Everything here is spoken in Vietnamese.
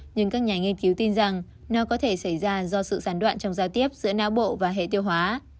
nhưng các nhà nghiên cứu tin rằng nó có thể xảy ra do sự gián đoạn trong giao tiếp giữa não bộ và hệ tiêu hóa